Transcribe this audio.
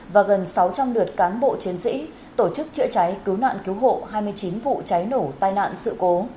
và gần sáu trăm linh lượt cán bộ chiến sĩ tổ chức chữa cháy cứu nạn cứu hộ hai mươi chín vụ cháy nổ tai nạn sự cố